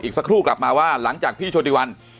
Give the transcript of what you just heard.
สักครู่กลับมาว่าหลังจากพี่โชติวัน